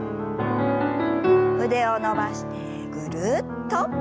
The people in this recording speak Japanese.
腕を伸ばしてぐるっと。